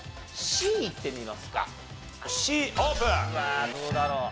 Ｃオープン！